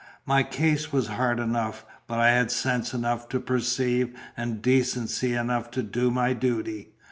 My case was hard enough; but I had sense enough to perceive, and decency enough to do my duty.